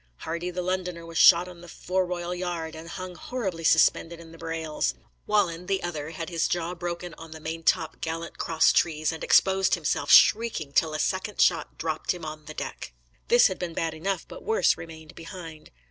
Hardy the Londoner was shot on the foreroyal yard, and hung horribly suspended in the brails. Wallen, the other, had his jaw broken on the maintop gallant crosstrees, and exposed himself, shrieking, till a second shot dropped him on the deck. This had been bad enough, but worse remained behind.